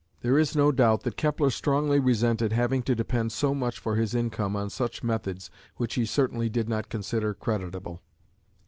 There is no doubt that Kepler strongly resented having to depend so much for his income on such methods which he certainly did not consider creditable.